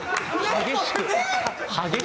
激しく。